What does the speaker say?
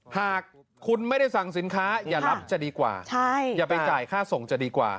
หากคุณไม่ได้สั่งสินค้าอย่ารับจะดีกว่าอย่าไปจ่ายค่าส่งจะดีกว่า